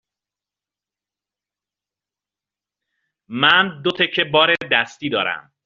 من دو تکه بار دستی دارم.